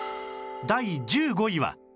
第１５位は